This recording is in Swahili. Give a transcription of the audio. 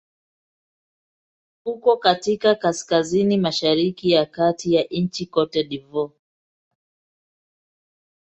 Uko katika kaskazini-mashariki ya kati ya nchi Cote d'Ivoire.